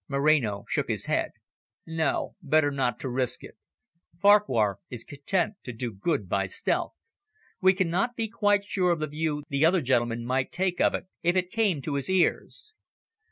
Moreno shook his head. "No, better perhaps not to risk it. Farquhar is content to do good by stealth. We cannot be quite sure of the view the other gentleman might take of it, if it came to his ears."